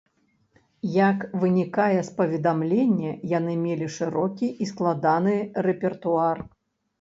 Як вынікае з паведамлення, яны мелі шырокі і складаны рэпертуар.